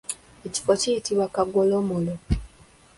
Ekifo kiyitibwa kagolomolo.